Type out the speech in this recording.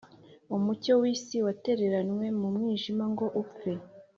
umucyo w'isi watereranywe mu mwijima ngo upfe